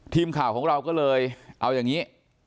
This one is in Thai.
ทีมข่าวของเราก็เลยเอาอย่างนี้